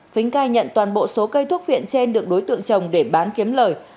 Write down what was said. phính cai nhận toàn bộ số cây thuốc viện trên được đối tượng trồng để bán kiếm lời